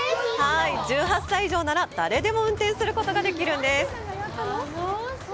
１８歳以上なら誰でも運転することができるんです。